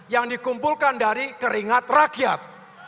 yang dikumpulkan dari keringat rakyat